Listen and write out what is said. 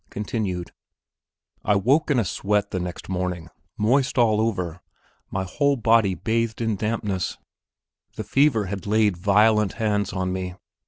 I woke in a sweat the next morning, moist all over, my whole body bathed in dampness. The fever had laid violent hands on me.